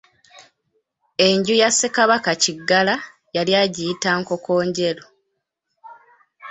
Enju ya Ssekabaka Kiggala yali agiyita Nkokonjeru.